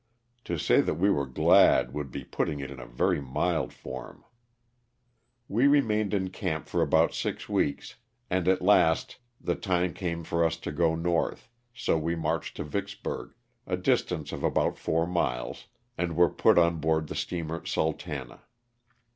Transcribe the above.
To say that we were glad would be putting it in a very mild form. We remained in camp for about six weeks and at last the time came for us to go north, so we marched to Vicksburg — a distance of about four miles — and were put on board the steamer "Sultana."